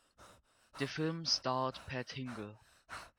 The film starred Pat Hingle.